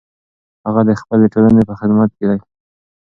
هغه د خپلې ټولنې په خدمت کې دی.